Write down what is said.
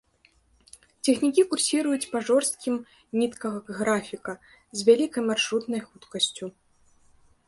Цягнікі курсіруюць па жорсткім нітках графіка, з вялікай маршрутнай хуткасцю.